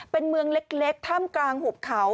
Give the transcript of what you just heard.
เป็นเมืองเล็กท่ามกลางหุบเขา